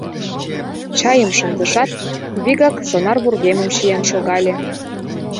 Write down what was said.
Чайым шындышат, вигак сонар вургемым чиен шогале.